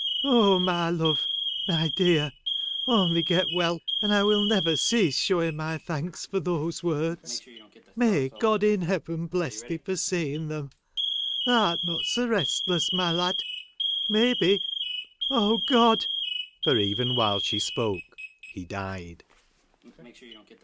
' Oh my love, my dear ! only get well, and I will never cease showing my thanks for those words. May God in heaven bless thee for saying them. Thou 'rt not so restless, my lad ! may be— Oh God !' For even while she spoke, he died.